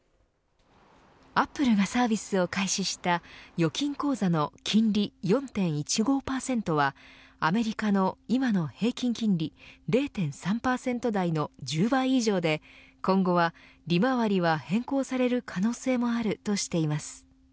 アップルがサービスを開始した預金口座の金利４．１５％はアメリカの今の平均金利０．３％台の１０倍以上で、今後は利回りが変更される可能性もあるとしています。